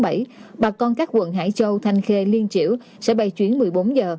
tuy nhiên bà con các quận hải châu thanh khê liên triểu sẽ bay chuyến một mươi bốn h